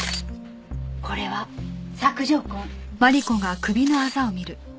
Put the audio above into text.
これは索条痕。